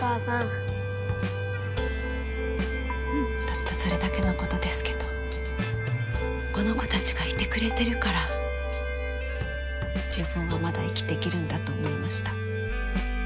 たったそれだけのことですけどこの子たちがいてくれてるから自分はまだ生きていけるんだと思いました。